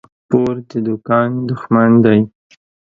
پور د دوکان دښمن دى.